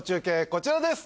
こちらです